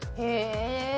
へえ！